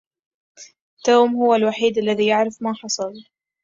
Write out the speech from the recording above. توم هو الوحيد الذي يعرف ما حصل.